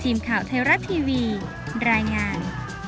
ทีมข่าวไทยรัฐทีวีรายงาน